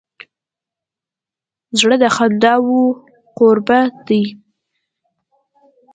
زړه د خنداوو کوربه دی.